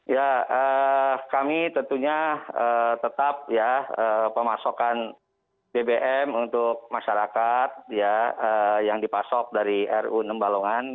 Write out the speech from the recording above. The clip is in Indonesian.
ya kami tentunya tetap ya pemasokan bbm untuk masyarakat yang dipasok dari ru enam balongan